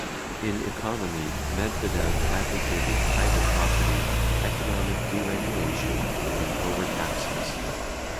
In economy, Medvedev advocated private property, economic deregulation and lower taxes.